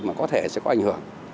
mà có thể sẽ có ảnh hưởng